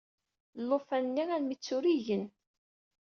Llufan-nni armi d tura i igen.